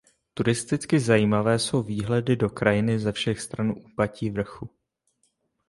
Turisticky zajímavé jsou výhledy do krajiny ze všech stran úpatí vrchu.